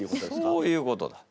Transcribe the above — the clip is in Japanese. そういうことだ。